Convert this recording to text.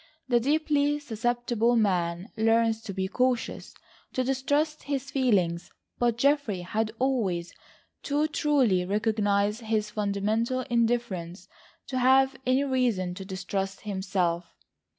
The deeply susceptible man learns to be cautious, to distrust his feelings, but Geoffrey had always too truly recognised his fundamental indifference to have any reason to distrust himself.